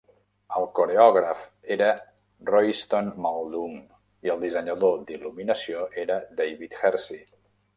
El coreògraf era Royston Maldoom i el dissenyador d'il·luminació era David Hersey.